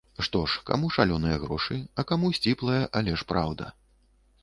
Што ж, каму шалёныя грошы, а каму сціплая, але ж праўда.